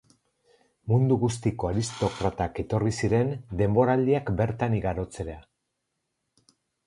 Mundu guztiko aristokratak etorri ziren denboraldiak bertan igarotzera.